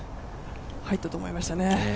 入ったと思いましたね。